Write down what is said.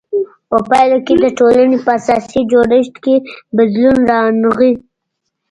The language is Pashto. په پایله کې د ټولنې په اساسي جوړښت کې بدلون رانغی.